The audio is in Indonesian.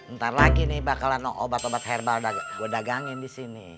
ntar lagi nih bakalan obat obat herbal gue dagangin di sini